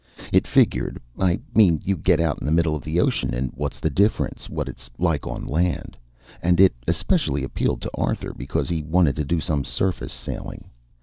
It figured. I mean you get out in the middle of the ocean and what's the difference what it's like on land? And it especially appealed to Arthur because he wanted to do some surface sailing.